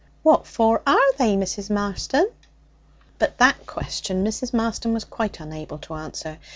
'What for are they, Mrs. Marston?' But that question Mrs. Marston was quite unable to answer.